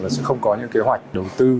sẽ không có những kế hoạch đầu tư